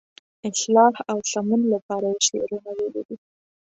اصلاح او سمون لپاره یې شعرونه ویلي دي.